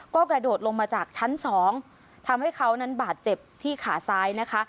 ก็กระโดดลงมาจากชั้นสองทำให้เขานั้นบาดเจ็บที่ขาซ้ายนะคะ